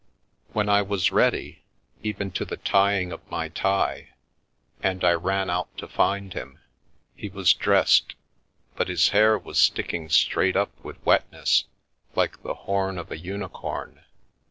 When I was ready, even to the tying of my tie, and V]2 I Begin to Understand I ran out to find him, he was dressed, but his hair was sticking straight up with wetness, like the horn of a uni corn.